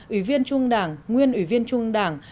ủy viên trung ương đảng nguyên ủy viên trung ương đảng